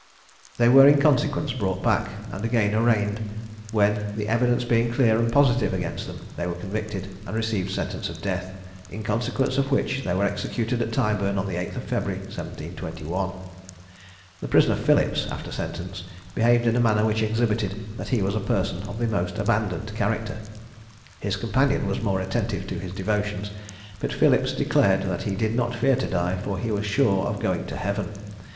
They were in consequence brought back, and again arraigned; when, the evidence being clear and positive against them, they were convicted, and received sentence of death; in consequence of which they were executed at Tyburn on the 8th of February, 1721. The prisoner Phillips, after sentence, behaved in a manner which exhibited that he was a person of the most abandoned character. His companion was more attentive to his devotions; but Phillips declared that he did not fear to die, for that he was sure of going to heaven.